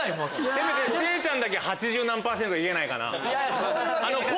せめて聖ちゃんだけ８０何％いけないかな？